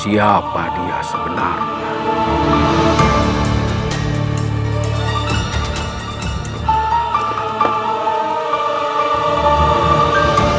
siapa dia sebenarnya